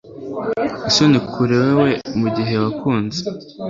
isoni kuri wewe mugihe wakuze